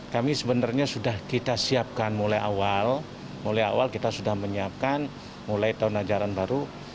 kami sebenarnya sudah kita siapkan mulai awal mulai awal kita sudah menyiapkan mulai tahun ajaran baru